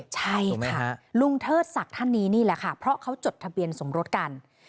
ใช่ค่ะลุงเทอร์สรรคที่นี่ค่ะเพราะเขาจดทะเบียนสมบรสกัน